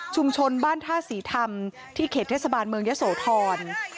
บ้านท่าศรีธรรมที่เขตเทศบาลเมืองยะโสธร